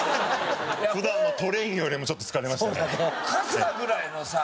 普段のトレーニングよりもちょっと疲れましたね。